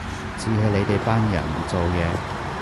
只係你哋班人唔做嘢